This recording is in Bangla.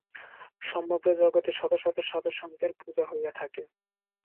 সমগ্র জগতে শত শত সাধু-সন্তের পূজা হইয়া থাকে।